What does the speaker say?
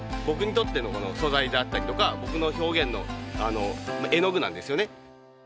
僕にとっての素材だったりとか僕の表現の絵の具なんですよね。